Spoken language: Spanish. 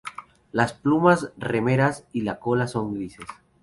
Las plumas remeras y la cola son grises.